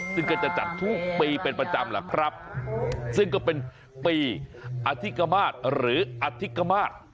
ซึ่งก็จะจัดทุกปีเป็นประจำแหละครับซึ่งก็เป็นปีอธิกมาศหรืออธิกมาศ